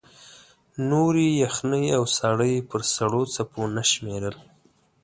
نورې یخنۍ او ساړه یې پر سړو څپو نه شمېرل.